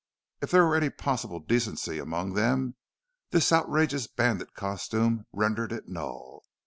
If there were any possible decency among them, this outrageous bandit costume rendered it null.